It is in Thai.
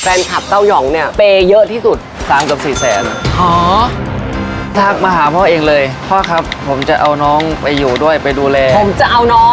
แฟนคับเต้ายองเนี้ยเป็นอยู่ด้วยไปดูแลผมจะเอาน้อง